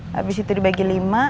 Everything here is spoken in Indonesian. habis itu dibagi lima